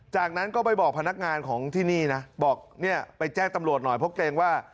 จากนั้นก็ไปบอกพนักงานของที่นี่นะบอกเนี่ยไปแจ้งตำรวจหน่อยเพราะเกรงว่า